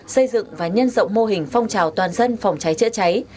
xây dựng và nhân rộng mô hình phong trào toàn dân phòng cháy chữa cháy